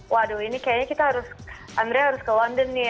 waduh ini kayaknya kita harus andrea harus ke london nih